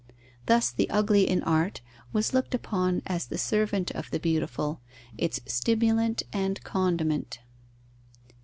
Thus the ugly in art was looked upon as the servant of the beautiful, its stimulant and condiment.